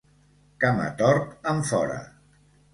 Camatort en fora.